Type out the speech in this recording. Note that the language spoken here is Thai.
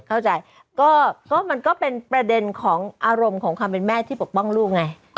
เข้าใจก็มันก็เป็นประเด็นของอารมณ์ของความเป็นแม่ที่ปกป้องลูกไง